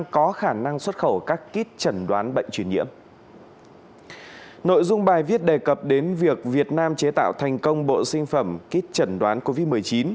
các bài viết đề cập đến việc việt nam chế tạo thành công bộ sinh phẩm kích chuẩn đoán covid một mươi chín